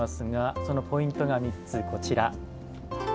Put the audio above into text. そのポイントが３つ、こちら。